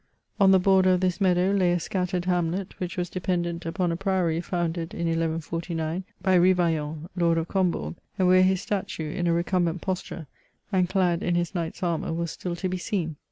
On the border of this meadow lay a scat tered hamlet, which was dependant upon a Priory founded in 1149, by Rivallon, Lord of Combourg, and where his statue, in a recumbent posture, and clad in his knight's armour, was still to be seen.